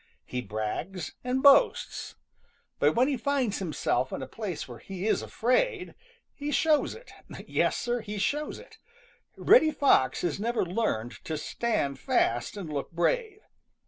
He brags and boasts. But when he finds himself in a place where he is afraid, he shows it. Yes, Sir, he shows it. Reddy Fox has never learned to stand fast and look brave.